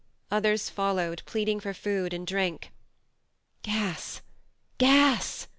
Others followed, pleading for food and drink. "Gas, gas